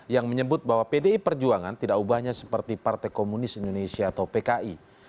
yang menyebut bahwa pdi perjuangan tidak ubahnya seperti partai komunis indonesia atau pki